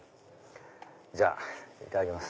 じゃあいただきます。